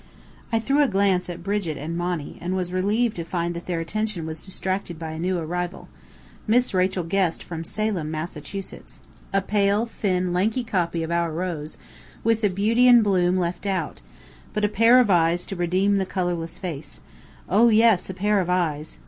I threw a glance at Brigit and Monny, and was relieved to find that their attention was distracted by a new arrival: Miss Rachel Guest from Salem, Massachusetts: a pale, thin, lanky copy of our Rose, with the beauty and bloom left out; but a pair of eyes to redeem the colourless face oh, yes, a pair of eyes!